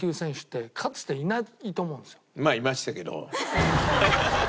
まあいましたけど。